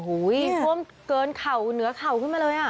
อู้ยน้ำท่วมเกินเข่าเหนือเข่าขึ้นมาเลย